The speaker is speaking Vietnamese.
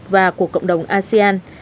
và của cộng đồng asean